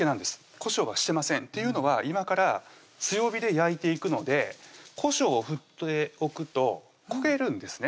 こしょうはしてませんっていうのは今から強火で焼いていくのでこしょうを振っておくと焦げるんですね